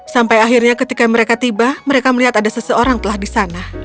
sampai akhirnya ketika mereka tiba mereka melihat ada seseorang telah di sana